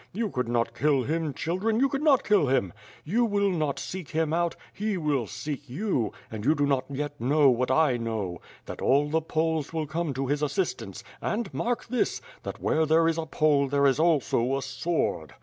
You could not kill him children, you could not kill him! You will not seek him out, he will seek you, and you do not know yet what I know, that all the Poles will come to his as sistance and, mark this, that where there is a Pole there is also a sword."